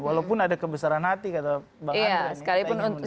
walaupun ada kebesaran hati kata mbak andra